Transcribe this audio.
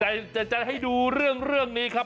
แต่จะให้ดูเรื่องนี้ครับ